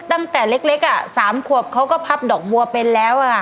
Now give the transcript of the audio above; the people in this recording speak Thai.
ตั้งแต่เล็ก๓ขวบเขาก็พับดอกบัวเป็นแล้ว